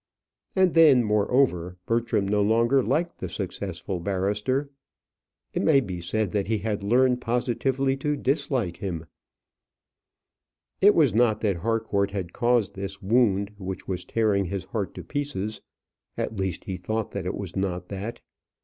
And then, moreover, Bertram no longer liked the successful barrister. It may be said that he had learned positively to dislike him. It was not that Harcourt had caused this wound which was tearing his heart to pieces; at least, he thought that it was not that.